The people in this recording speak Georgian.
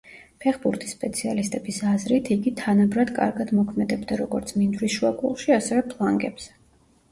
ფეხბურთის სპეციალისტების აზრით, იგი თანაბრად კარგად მოქმედებდა, როგორც მინდვრის შუაგულში, ასევე, ფლანგებზე.